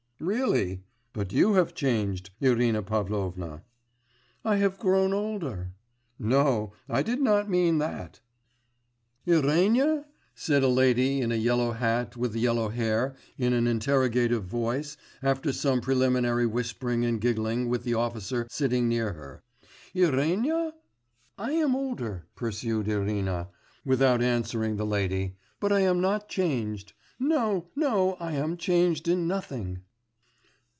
'Really? But you have changed, Irina Pavlovna.' 'I have grown older.' 'No, I did not mean that.' 'Irène?' said a lady in a yellow hat and with yellow hair in an interrogative voice after some preliminary whispering and giggling with the officer sitting near her. 'Irène?' 'I am older,' pursued Irina, without answering the lady, 'but I am not changed. No, no, I am changed in nothing.